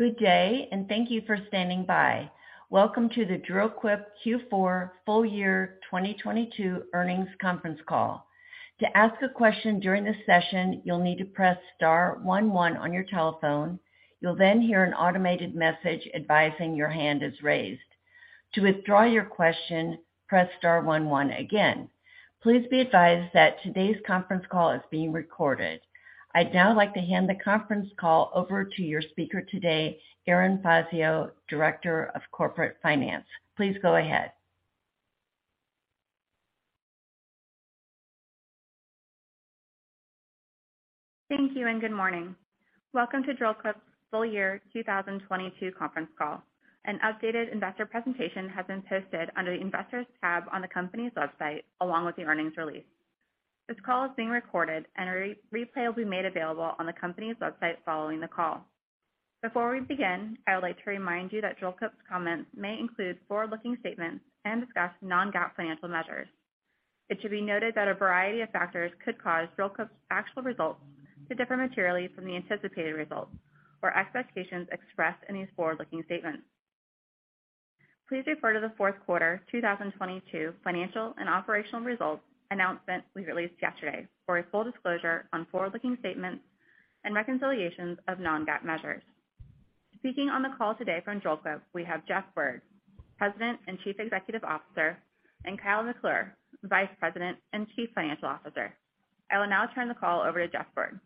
Good day, and thank you for standing by. Welcome to the Dril-Quip Q4 full year 2022 earnings conference call. To ask a question during this session, you'll need to press star one one on your telephone. You'll then hear an automated message advising your hand is raised. To withdraw your question, press star one one again. Please be advised that today's conference call is being recorded. I'd now like to hand the conference call over to your speaker today, Erin Fazio, Director of Corporate Finance. Please go ahead. Thank you, and good morning. Welcome to Dril-Quip's full year 2022 conference call. An updated investor presentation has been posted under the Investors tab on the company's website, along with the earnings release. This call is being recorded and a re-replay will be made available on the company's website following the call. Before we begin, I would like to remind you that Dril-Quip's comments may include forward-looking statements and discuss non-GAAP financial measures. It should be noted that a variety of factors could cause Dril-Quip's actual results to differ materially from the anticipated results or expectations expressed in these forward-looking statements. Please refer to the fourth quarter 2022 financial and operational results announcement we released yesterday for a full disclosure on forward-looking statements and reconciliations of non-GAAP measures. Speaking on the call today from Dril-Quip, we have Jeff Bird, President and Chief Executive Officer, and Kyle McClure, Vice President and Chief Financial Officer. I will now turn the call over to Jeff Bird.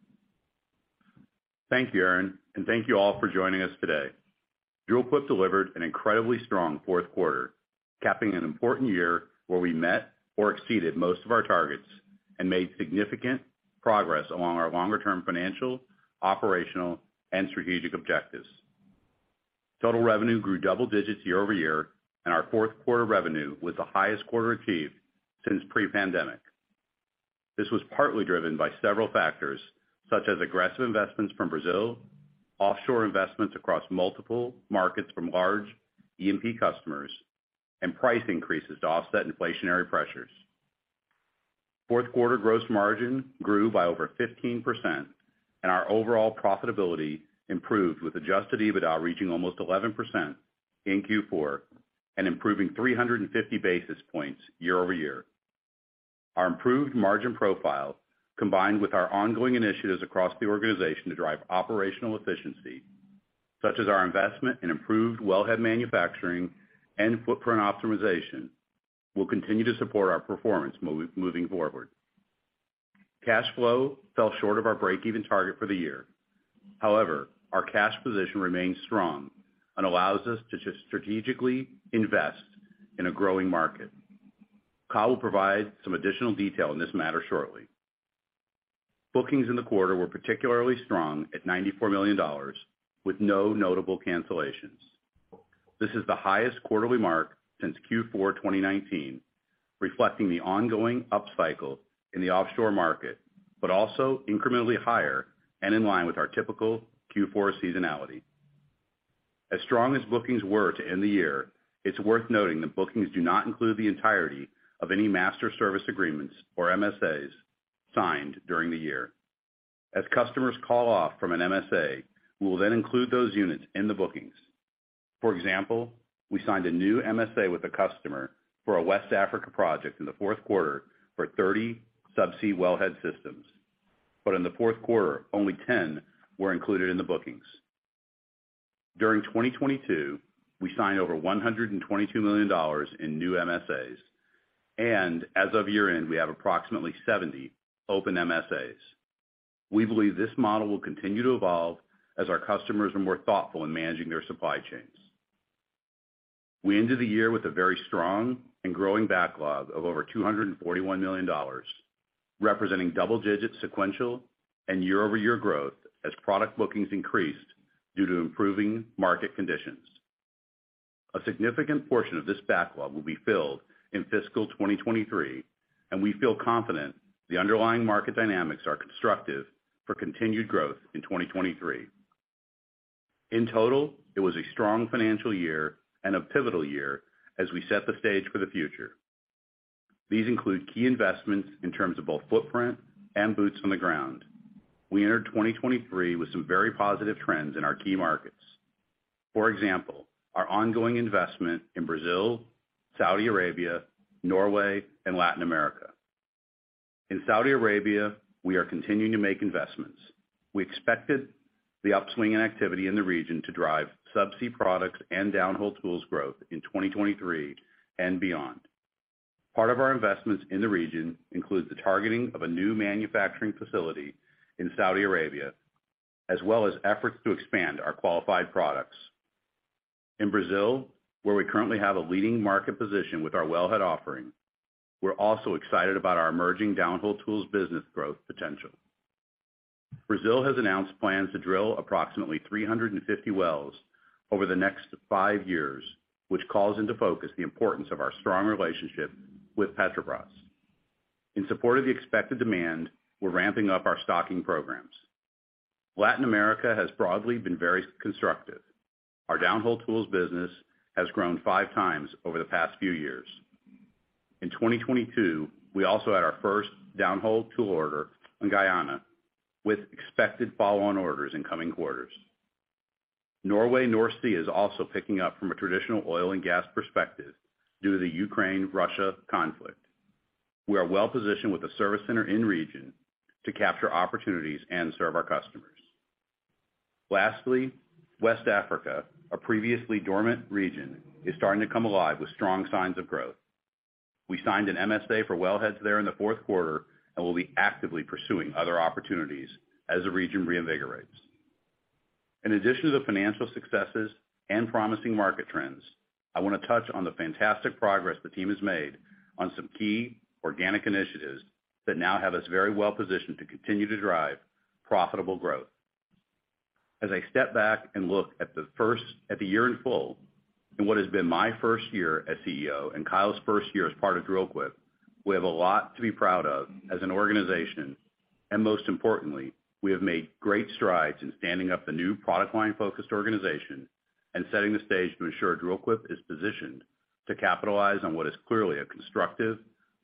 Thank you, Erin. Thank you all for joining us today. Dril-Quip delivered an incredibly strong fourth quarter, capping an important year where we met or exceeded most of our targets and made significant progress along our longer term financial, operational, and strategic objectives. Total revenue grew double digits year-over-year, and our fourth quarter revenue was the highest quarter achieved since pre-pandemic. This was partly driven by several factors, such as aggressive investments from Brazil, offshore investments across multiple markets from large E&P customers, and price increases to offset inflationary pressures. Fourth quarter gross margin grew by over 15%, and our overall profitability improved with adjusted EBITDA reaching almost 11% in Q4 and improving 350 basis points year-over-year. Our improved margin profile, combined with our ongoing initiatives across the organization to drive operational efficiency, such as our investment in improved wellhead manufacturing and footprint optimization, will continue to support our performance moving forward. Cash flow fell short of our break-even target for the year. Our cash position remains strong and allows us to just strategically invest in a growing market. Kyle will provide some additional detail on this matter shortly. Bookings in the quarter were particularly strong at $94 million with no notable cancellations. This is the highest quarterly mark since Q4 2019, reflecting the ongoing upcycle in the offshore market, but also incrementally higher and in line with our typical Q4 seasonality. As strong as bookings were to end the year, it's worth noting that bookings do not include the entirety of any master service agreements, or MSAs, signed during the year. As customers call off from an MSA, we will then include those units in the bookings. For example, we signed a new MSA with a customer for a West Africa project in the fourth quarter for 30 subsea wellhead systems. In the fourth quarter, only 10 were included in the bookings. During 2022, we signed over $122 million in new MSAs. As of year-end, we have approximately 70 open MSAs. We believe this model will continue to evolve as our customers are more thoughtful in managing their supply chains. We ended the year with a very strong and growing backlog of over $241 million, representing double-digit sequential and year-over-year growth as product bookings increased due to improving market conditions. A significant portion of this backlog will be filled in fiscal 2023, and we feel confident the underlying market dynamics are constructive for continued growth in 2023. In total, it was a strong financial year and a pivotal year as we set the stage for the future. These include key investments in terms of both footprint and boots on the ground. We entered 2023 with some very positive trends in our key markets. For example, our ongoing investment in Brazil, Saudi Arabia, Norway, and Latin America. In Saudi Arabia, we are continuing to make investments. We expected the upswing in activity in the region to drive subsea products and downhole tools growth in 2023 and beyond. Part of our investments in the region includes the targeting of a new manufacturing facility in Saudi Arabia, as well as efforts to expand our qualified products. In Brazil, where we currently have a leading market position with our wellhead offering, we're also excited about our emerging downhole tools business growth potential. Brazil has announced plans to drill approximately 350 wells over the next five years, which calls into focus the importance of our strong relationship with Petrobras. In support of the expected demand, we're ramping up our stocking programs. Latin America has broadly been very constructive. Our downhole tools business has grown 5x over the past few years. In 2022, we also had our first downhole tool order in Guyana with expected follow-on orders in coming quarters. Norway North Sea is also picking up from a traditional oil and gas perspective due to the Ukraine-Russia conflict. We are well-positioned with a service center in region to capture opportunities and serve our customers. Lastly, West Africa, a previously dormant region, is starting to come alive with strong signs of growth. We signed an MSA for well heads there in the fourth quarter and will be actively pursuing other opportunities as the region reinvigorates. In addition to the financial successes and promising market trends, I wanna touch on the fantastic progress the team has made on some key organic initiatives that now have us very well positioned to continue to drive profitable growth. As I step back and look at the year in full, in what has been my first year as CEO and Kyle's first year as part of Dril-Quip, we have a lot to be proud of as an organization. Most importantly, we have made great strides in standing up the new product line-focused organization and setting the stage to ensure Dril-Quip is positioned to capitalize on what is clearly a constructive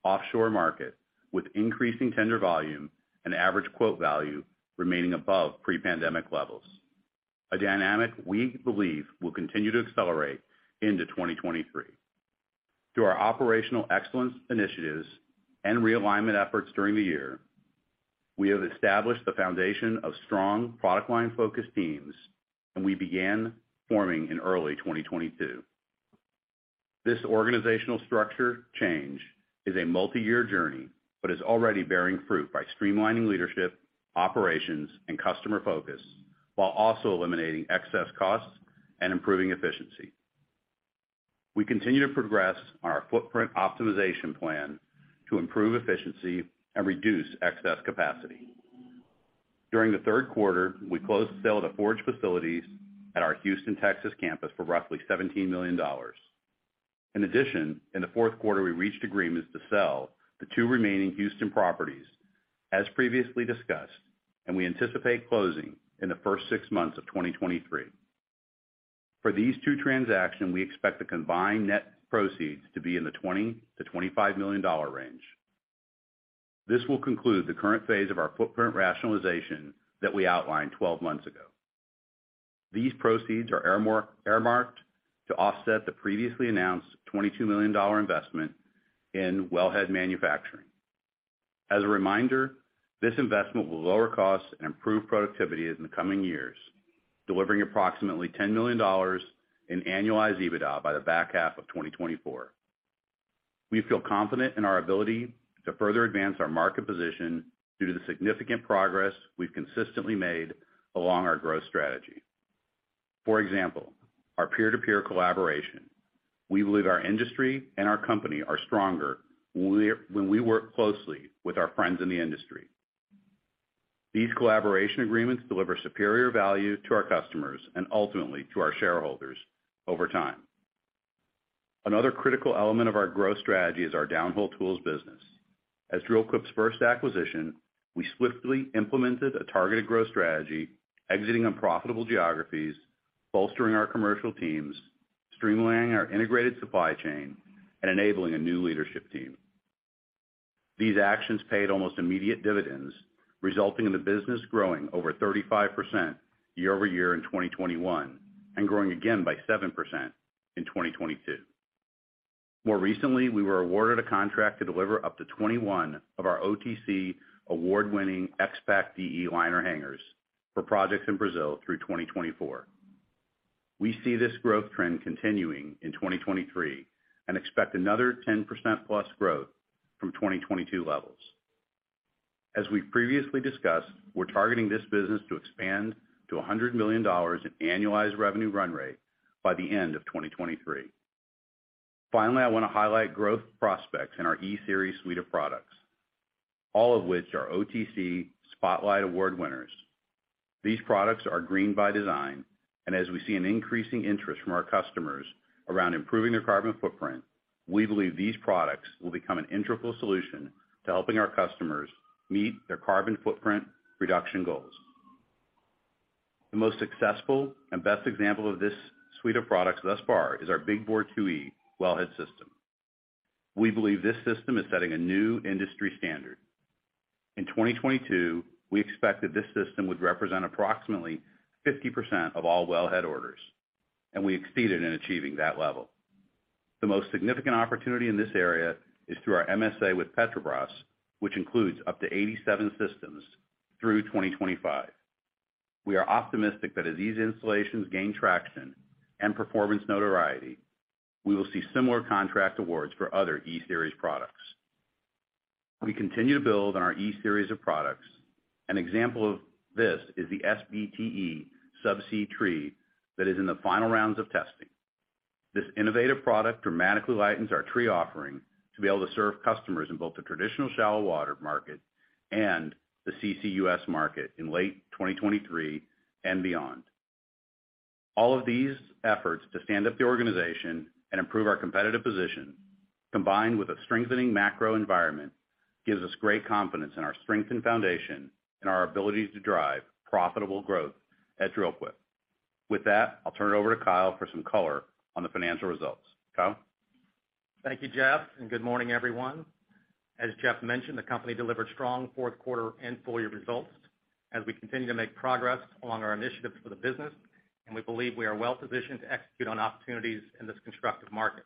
offshore market with increasing tender volume and average quote value remaining above pre-pandemic levels, a dynamic we believe will continue to accelerate into 2023. Through our operational excellence initiatives and realignment efforts during the year, we have established the foundation of strong product line-focused teams that we began forming in early 2022. This organizational structure change is a multiyear journey, but is already bearing fruit by streamlining leadership, operations, and customer focus while also eliminating excess costs and improving efficiency. We continue to progress on our footprint optimization plan to improve efficiency and reduce excess capacity. During the third quarter, we closed the sale of the forge facilities at our Houston, Texas, campus for roughly $17 million. In addition, in the fourth quarter, we reached agreements to sell the two remaining Houston properties, as previously discussed, and we anticipate closing in the first six months of 2023. For these two transactions, we expect the combined net proceeds to be in the $20 million-$25 million range. This will conclude the current phase of our footprint rationalization that we outlined 12 months ago. These proceeds are earmarked to offset the previously announced $22 million investment in wellhead manufacturing. As a reminder, this investment will lower costs and improve productivity in the coming years, delivering approximately $10 million in annualized EBITDA by the back half of 2024. We feel confident in our ability to further advance our market position due to the significant progress we've consistently made along our growth strategy. For example, our peer-to-peer collaboration. We believe our industry and our company are stronger when we work closely with our friends in the industry. These collaboration agreements deliver superior value to our customers and ultimately to our shareholders over time. Another critical element of our growth strategy is our downhole tools business. As Dril-Quip's first acquisition, we swiftly implemented a targeted growth strategy, exiting unprofitable geographies, bolstering our commercial teams, streamlining our integrated supply chain, and enabling a new leadership team. These actions paid almost immediate dividends, resulting in the business growing over 35% year-over-year in 2021 and growing again by 7% in 2022. More recently, we were awarded a contract to deliver up to 21 of our OTC award-winning XPak De liner hangers for projects in Brazil through 2024. We see this growth trend continuing in 2023 and expect another 10%+ growth from 2022 levels. As we've previously discussed, we're targeting this business to expand to $100 million in annualized revenue run rate by the end of 2023. Finally, I wanna highlight growth prospects in our e-Series suite of products, all of which are OTC Spotlight Award winners. As we see an increasing interest from our customers around improving their carbon footprint, we believe these products will become an integral solution to helping our customers meet their carbon footprint reduction goals. The most successful and best example of this suite of products thus far is our BigBore IIe wellhead system. We believe this system is setting a new industry standard. In 2022, we expected this system would represent approximately 50% of all wellhead orders, We exceeded in achieving that level. The most significant opportunity in this area is through our MSA with Petrobras, which includes up to 87 systems through 2025. We are optimistic that as these installations gain traction and performance notoriety, we will see similar contract awards for other e-Series products. We continue to build on our e-Series of products. An example of this is the SBTe Subsea Tree that is in the final rounds of testing. This innovative product dramatically lightens our tree offering to be able to serve customers in both the traditional shallow water market and the CCUS market in late 2023 and beyond. All of these efforts to stand up the organization and improve our competitive position, combined with a strengthening macro environment, gives us great confidence in our strength and foundation and our ability to drive profitable growth at Dril-Quip. With that, I'll turn it over to Kyle for some color on the financial results. Kyle? Thank you, Jeff. Good morning, everyone. As Jeff mentioned, the company delivered strong fourth quarter and full year results as we continue to make progress along our initiatives for the business. We believe we are well-positioned to execute on opportunities in this constructive market.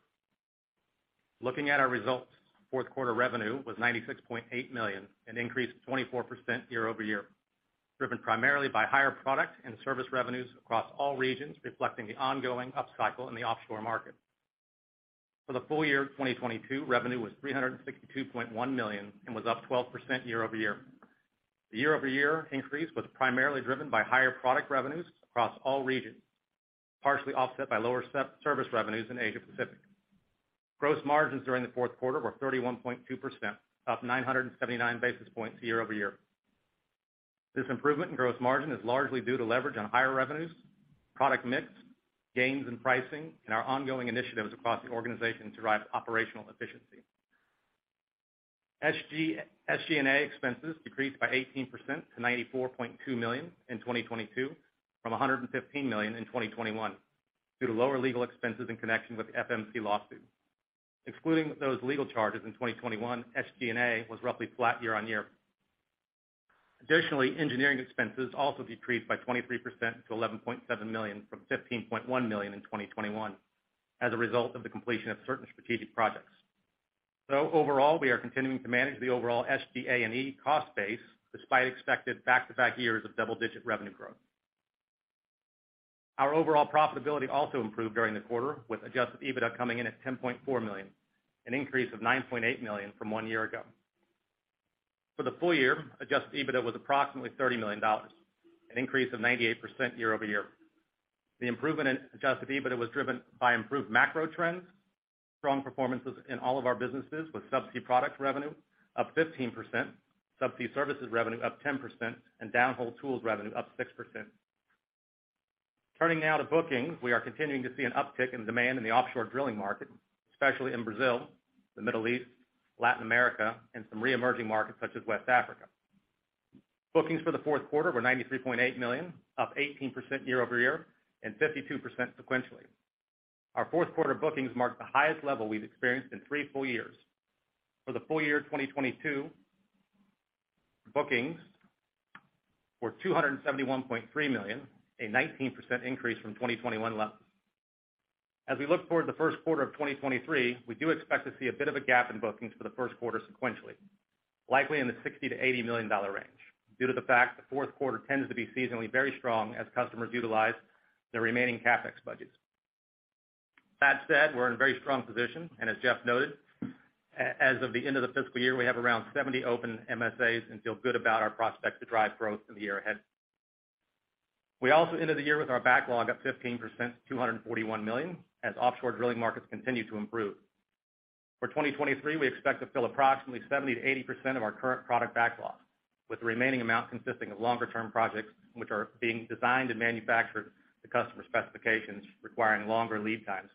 Looking at our results, fourth quarter revenue was $96.8 million, an increase of 24% year-over-year, driven primarily by higher product and service revenues across all regions, reflecting the ongoing upcycle in the offshore market. For the full year of 2022, revenue was $362.1 million and was up 12% year-over-year. The year-over-year increase was primarily driven by higher product revenues across all regions, partially offset by lower service revenues in Asia-Pacific. Gross margins during the fourth quarter were 31.2%, up 979 basis points year over year. This improvement in gross margin is largely due to leverage on higher revenues, product mix, gains in pricing, and our ongoing initiatives across the organization to drive operational efficiency. SG&A expenses decreased by 18% to $94.2 million in 2022 from $115 million in 2021 due to lower legal expenses in connection with the FMC lawsuit. Excluding those legal charges in 2021, SG&A was roughly flat year-on-year. Additionally, engineering expenses also decreased by 23% to $11.7 million from $15.1 million in 2021 as a result of the completion of certain strategic projects. Overall, we are continuing to manage the overall SG&A cost base despite expected back-to-back years of double-digit revenue growth. Our overall profitability also improved during the quarter with adjusted EBITDA coming in at $10.4 million, an increase of $9.8 million from one year ago. For the full year, adjusted EBITDA was approximately $30 million, an increase of 98% year-over-year. The improvement in adjusted EBITDA was driven by improved macro trends, strong performances in all of our businesses with subsea product revenue up 15%, subsea services revenue up 10%, and downhole tools revenue up 6%. Turning now to bookings. We are continuing to see an uptick in demand in the offshore drilling market, especially in Brazil, the Middle East, Latin America, and some re-emerging markets such as West Africa. Bookings for the fourth quarter were $93.8 million, up 18% year-over-year and 52% sequentially. Our fourth quarter bookings marked the highest level we've experienced in three full years. For the full year 2022, bookings were $271.3 million, a 19% increase from 2021 levels. As we look toward the first quarter of 2023, we do expect to see a bit of a gap in bookings for the first quarter sequentially, likely in the $60 million-$80 million range due to the fact the fourth quarter tends to be seasonally very strong as customers utilize their remaining CapEx budgets. That said, we're in very strong position, as Jeff noted, as of the end of the fiscal year, we have around 70 open MSAs and feel good about our prospects to drive growth in the year ahead. We also ended the year with our backlog up 15% to $241 million as offshore drilling markets continue to improve. For 2023, we expect to fill approximately 70%-80% of our current product backlog, with the remaining amount consisting of longer-term projects which are being designed and manufactured to customer specifications requiring longer lead times.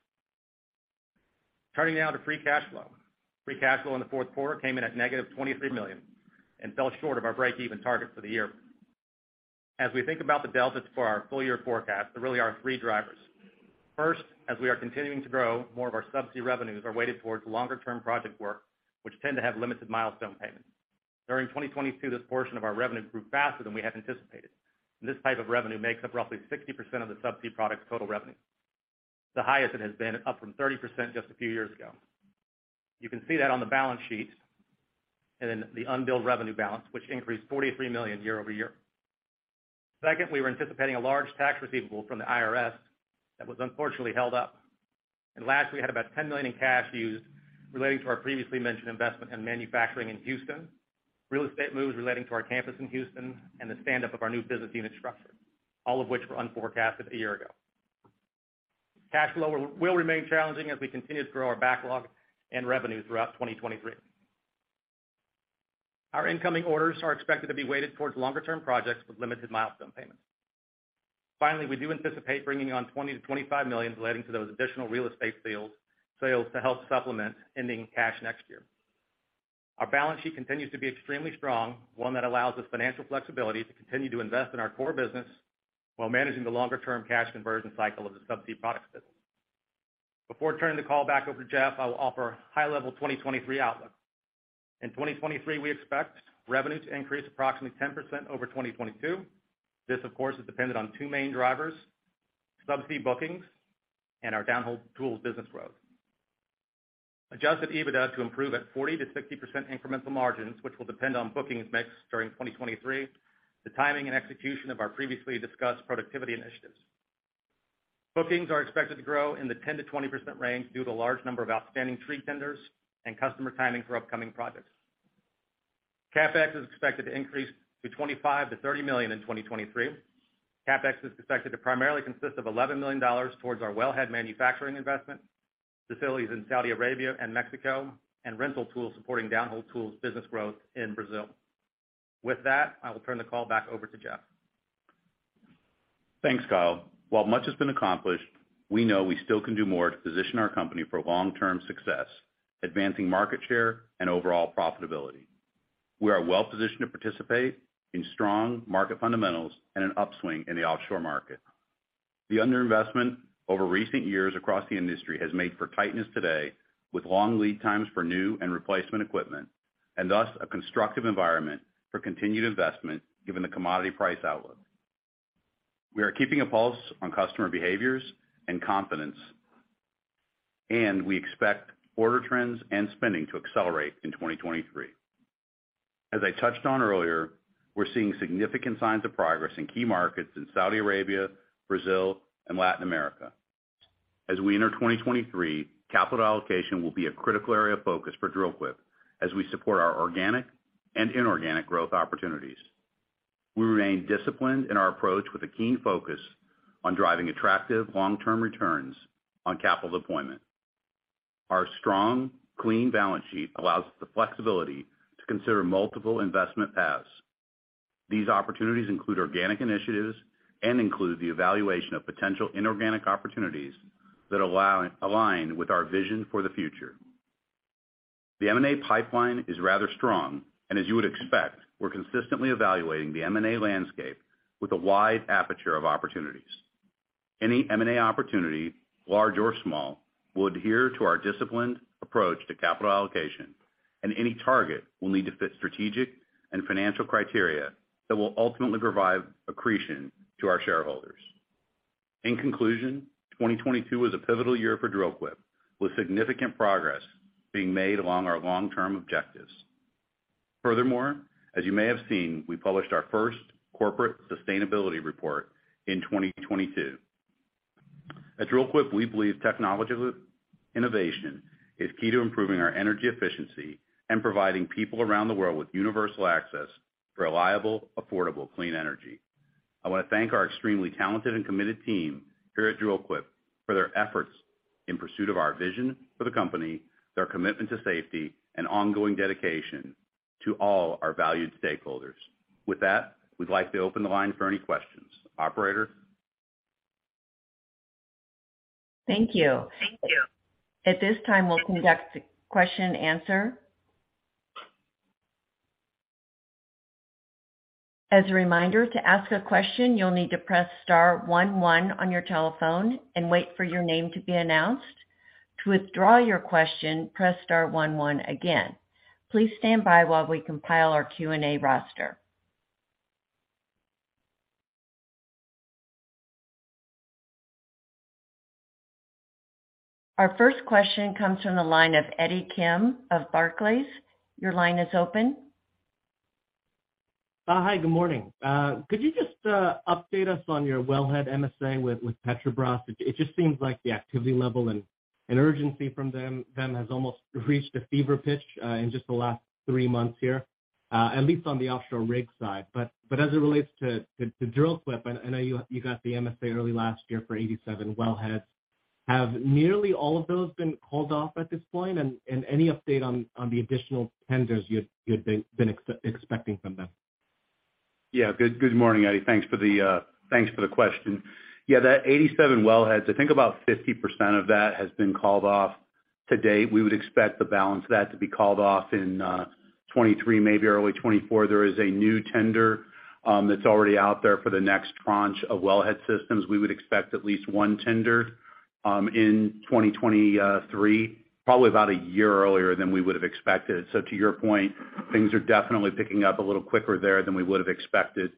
Turning now to free cash flow. Free cash flow in the fourth quarter came in at -$23 million and fell short of our breakeven target for the year. As we think about the delta for our full year forecast, there really are three drivers. First, as we are continuing to grow, more of our subsea revenues are weighted towards longer-term project work, which tend to have limited milestone payments. During 2022, this portion of our revenue grew faster than we had anticipated. This type of revenue makes up roughly 60% of the subsea products total revenue, the highest it has been, up from 30% just a few years ago. You can see that on the balance sheet in the unbilled revenue balance, which increased $43 million year-over-year. Second, we were anticipating a large tax receivable from the IRS that was unfortunately held up. Last, we had about $10 million in cash used relating to our previously mentioned investment in manufacturing in Houston, real estate moves relating to our campus in Houston, and the stand-up of our new business unit structure, all of which were unforecasted a year ago. Cash flow will remain challenging as we continue to grow our backlog and revenue throughout 2023. Our incoming orders are expected to be weighted towards longer-term projects with limited milestone payments. Finally, we do anticipate bringing on $20 million-$25 million relating to those additional real estate sales to help supplement ending cash next year. Our balance sheet continues to be extremely strong, one that allows us financial flexibility to continue to invest in our core business while managing the longer-term cash conversion cycle of the subsea products business. Before turning the call back over to Jeff, I will offer high-level 2023 outlook. In 2023, we expect revenue to increase approximately 10% over 2022. This, of course, is dependent on two main drivers, subsea bookings and our downhole tools business growth. Adjusted EBITDA to improve at 40%-60% incremental margins, which will depend on bookings mix during 2023, the timing and execution of our previously discussed productivity initiatives. Bookings are expected to grow in the 10%-20% range due to the large number of outstanding tree tenders and customer timing for upcoming projects. CapEx is expected to increase to $25 million-$30 million in 2023. CapEx is expected to primarily consist of $11 million towards our wellhead manufacturing investment, facilities in Saudi Arabia and Mexico, and rental tools supporting downhole tools business growth in Brazil. With that, I will turn the call back over to Jeff. Thanks, Kyle. While much has been accomplished, we know we still can do more to position our company for long-term success, advancing market share and overall profitability. We are well positioned to participate in strong market fundamentals and an upswing in the offshore market. The underinvestment over recent years across the industry has made for tightness today, with long lead times for new and replacement equipment, and thus a constructive environment for continued investment given the commodity price outlook. We are keeping a pulse on customer behaviors and confidence, and we expect order trends and spending to accelerate in 2023. As I touched on earlier, we're seeing significant signs of progress in key markets in Saudi Arabia, Brazil, and Latin America. As we enter 2023, capital allocation will be a critical area of focus for Dril-Quip as we support our organic and inorganic growth opportunities. We remain disciplined in our approach with a keen focus on driving attractive long-term returns on capital deployment. Our strong, clean balance sheet allows the flexibility to consider multiple investment paths. These opportunities include organic initiatives and include the evaluation of potential inorganic opportunities that align with our vision for the future. The M&A pipeline is rather strong. As you would expect, we're consistently evaluating the M&A landscape with a wide aperture of opportunities. Any M&A opportunity, large or small, will adhere to our disciplined approach to capital allocation. Any target will need to fit strategic and financial criteria that will ultimately provide accretion to our shareholders. In conclusion, 2022 was a pivotal year for Dril-Quip, with significant progress being made along our long-term objectives. As you may have seen, we published our first corporate sustainability report in 2022. At Dril-Quip, we believe technological innovation is key to improving our energy efficiency and providing people around the world with universal access to reliable, affordable, clean energy. I wanna thank our extremely talented and committed team here at Dril-Quip for their efforts in pursuit of our vision for the company, their commitment to safety and ongoing dedication to all our valued stakeholders. With that, we'd like to open the line for any questions. Operator? Thank you. At this time, we'll conduct the question and answer. As a reminder, to ask a question, you'll need to press star one one on your telephone and wait for your name to be announced. To withdraw your question, press star one one again. Please stand by while we compile our Q&A roster. Our first question comes from the line of Eddie Kim of Barclays. Your line is open. Hi, good morning. Could you just update us on your wellhead MSA with Petrobras? It just seems like the activity level and urgency from them has almost reached a fever pitch in just the last three months here, at least on the offshore rig side. As it relates to Dril-Quip, I know you got the MSA early last year for 87 wellheads. Have nearly all of those been called off at this point? Any update on the additional tenders you'd been expecting from them? Good morning, Eddie. Thanks for the question. That 87 wellheads, I think about 50% of that has been called off to date. We would expect the balance of that to be called off in 2023, maybe early 2024. There is a new tender that's already out there for the next tranche of wellhead systems. We would expect at least one tender in 2023, probably about a year earlier than we would've expected. To your point, things are definitely picking up a little quicker there than we would've expected.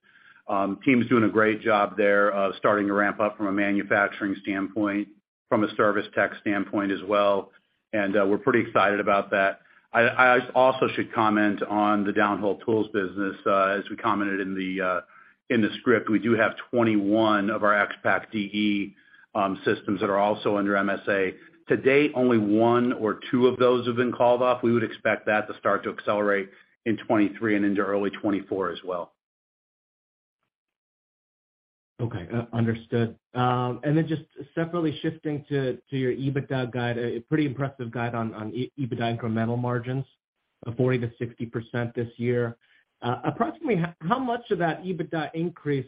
Team's doing a great job there of starting to ramp up from a manufacturing standpoint, from a service tech standpoint as well, and we're pretty excited about that. I also should comment on the downhole tools business. As we commented in the script, we do have 21 of our XPak De systems that are also under MSA. To date, only one or two of those have been called off. We would expect that to start to accelerate in 2023 and into early 2024 as well. Okay. Understood. Just separately shifting to your EBITDA guide, a pretty impressive guide on EBITDA incremental margins of 40%-60% this year. Approximately how much of that EBITDA increase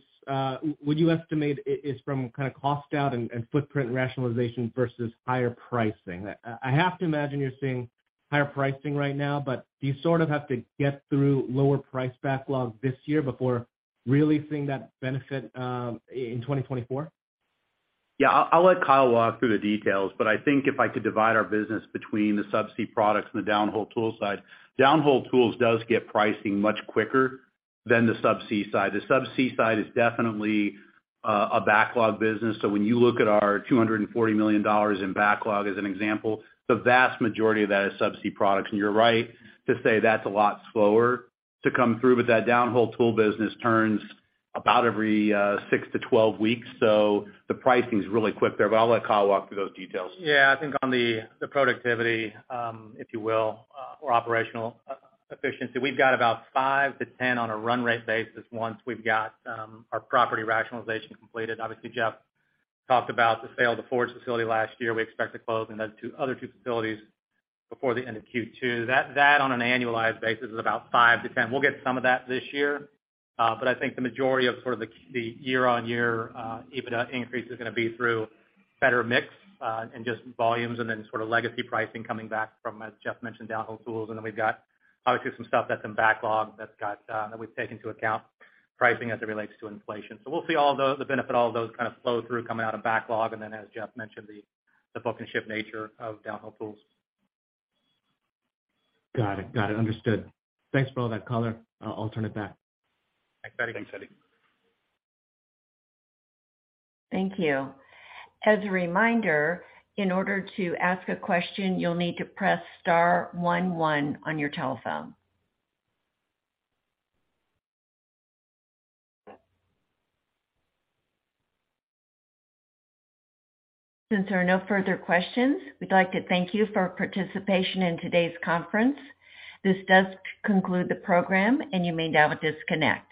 would you estimate is from kinda cost out and footprint rationalization versus higher pricing? I have to imagine you're seeing higher pricing right now, but do you sort of have to get through lower price backlog this year before really seeing that benefit in 2024? Yeah. I'll let Kyle walk through the details, but I think if I could divide our business between the subsea products and the downhole tools side, downhole tools does get pricing much quicker than the subsea side. The subsea side is definitely a backlog business. When you look at our $240 million in backlog as an example, the vast majority of that is subsea products. You're right to say that's a lot slower to come through, but that downhole tool business turns about every six to 12 weeks. The pricing's really quick there, but I'll let Kyle walk through those details. Yeah. I think on the productivity, if you will, or operational efficiency, we've got about $5 million-$10 million on a run rate basis once we've got our property rationalization completed. Obviously, Jeff talked about the sale of the forge facility last year. We expect to close in those two, other two facilities before the end of Q2. That on an annualized basis is about $5 million-$10 million. We'll get some of that this year. But I think the majority of sort of the year-on-year EBITDA increase is gonna be through better mix and just volumes and then sort of legacy pricing coming back from, as Jeff mentioned, downhole tools. Then we've got obviously some stuff that's in backlog that's got that we've taken into account pricing as it relates to inflation. We'll see all the benefit, all of those kind of flow through coming out of backlog and then as Jeff mentioned, the book and ship nature of downhole tools. Got it. Got it. Understood. Thanks for all that color. I'll turn it back. Thanks, Eddie. Thanks, Eddie. Thank you. As a reminder, in order to ask a question, you'll need to press star one one on your telephone. Since there are no further questions, we'd like to thank you for participation in today's conference. This does conclude the program and you may now disconnect.